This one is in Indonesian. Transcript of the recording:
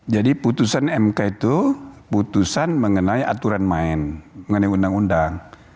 jadi putusan mk itu putusan mengenai aturan main mengenai undang undang